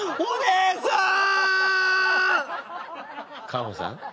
カホさん。